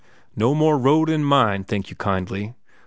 "No more road in mine, thank you kindly.